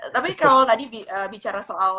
tapi kalau tadi bicara soal